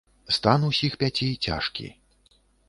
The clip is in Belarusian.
Стан усіх пяці цяжкі.